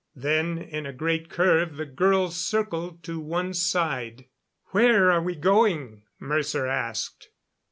Then in a great curve the girls circled to one side. "Where are we going?" Mercer asked.